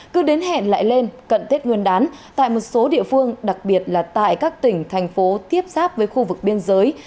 cứ đến hẹn lại lên cận tết nguyên đán tại một số địa phương đặc biệt là tại các tỉnh thành phố tiếp giáp với khu vực biên giới